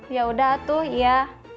yaudah atuh ya